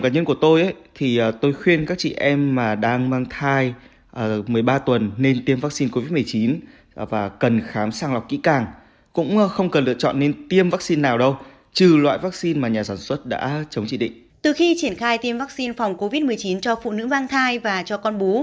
từ khi triển khai tiêm vaccine phòng covid một mươi chín cho phụ nữ mang thai và cho con bú